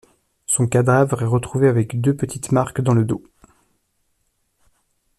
Son cadavre est retrouvé avec deux petites marques dans le dos.